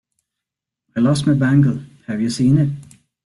I lost my bangle have you seen it?